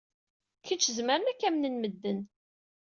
Kečč zemren ad k-amnen medden.